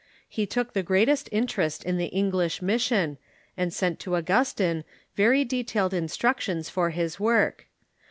He took the greatest interest in the English mission, and sent to Augustine very detailed instructions for his work.